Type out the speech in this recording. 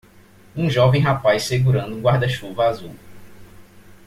Um jovem rapaz segurando um guarda-chuva azul.